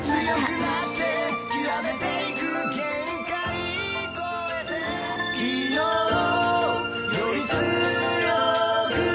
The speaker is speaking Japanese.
「強くなって極めていく」「限界超えて」「昨日より強く」